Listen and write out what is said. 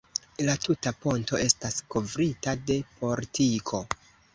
La tuta ponto estas kovrita de portiko.